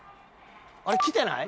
あれ来てない？